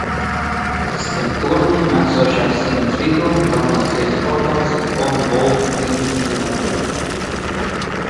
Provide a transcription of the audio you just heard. Starp torņiem esošās sienas vidū galvenās ieejas portāls ar fon Volfu dzimtas ģerboni.